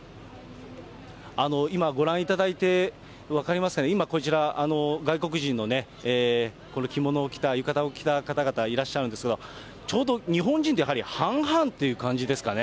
今、ご覧いただいて分かりますかね、今、こちら、外国人の着物を着た、浴衣を着た方々、いらっしゃるんですが、ちょうど日本人とやはり半々という感じですかね。